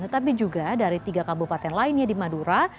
tetapi juga dari tiga kabupaten lainnya di madura